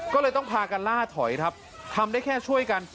ก็เลยต้องพากันล่าถอยครับทำได้แค่ช่วยกัน